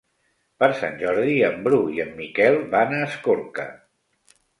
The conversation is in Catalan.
Per Sant Jordi en Bru i en Miquel van a Escorca.